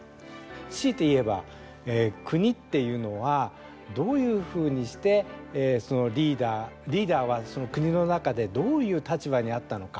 強いて言えば、国っていうのはどういうふうにしてそのリーダーリーダーは、その国の中でどういう立場にあったのか。